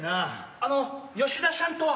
あの吉田しゃんとは？